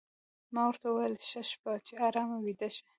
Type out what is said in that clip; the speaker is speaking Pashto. ما ورته وویل: ښه شپه، چې ارام ویده شې.